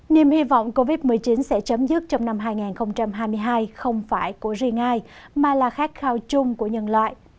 niềm hy vọng covid một mươi chín sẽ chấm dứt trong năm hai nghìn hai mươi hai không phải của riêng nga mà là khát khao chung của nhân loại